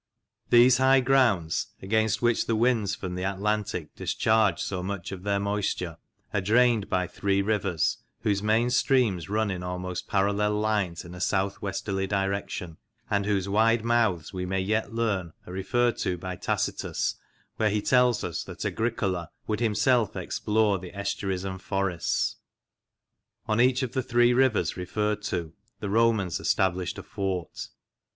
These high grounds, against which the winds from the Atlantic discharge so much of their moisture, are drained by three rivers, whose main streams run in almost parallel lines in a south westerly direction, and whose wide mouths we may yet learn are referred to by Tacitus, where he tells us that Agricola " would himself explore the estuaries and forests." On each of the three rivers referred to the Romans established a fort.